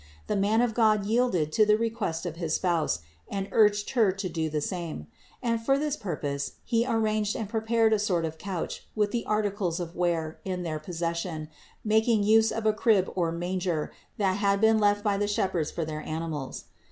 The man of God yielded to the request of his Spouse and urged Her to do the same; and for this purpose he arranged and pre pared a sort of couch with the articles of wear in their possession, making use of a crib or manger, that had been 396 CITY OF GOD left by the shepherds for their animals.